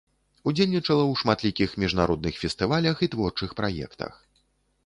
Удзельнічала ў шматлікіх міжнародных фестывалях і творчых праектах.